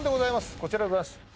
こちらでございます